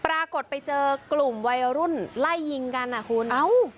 ปรากฏไปเจอกลุ่มวัยรุ่นไล่ยิงกันอ่ะคุณเอ้า